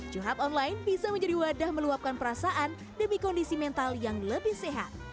curhat online bisa menjadi wadah meluapkan perasaan demi kondisi mental yang lebih sehat